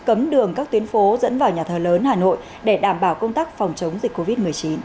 cấm đường các tuyến phố dẫn vào nhà thờ lớn hà nội để đảm bảo công tác phòng chống dịch covid một mươi chín